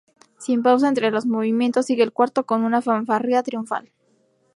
Sin pausa entre los movimientos, sigue el cuarto con una fanfarria triunfal.